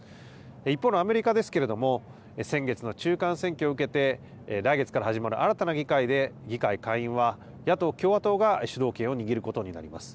一方のアメリカですけれども、先月の中間選挙を受けて、来月から始まる新たな議会で、議会下院は野党・共和党が主導権を握ることになります。